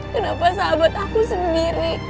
kenapa sahabat aku sendiri